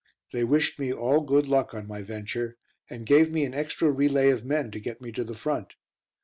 They wished me all good luck on my venture, and gave me an extra relay of men to get me to the front.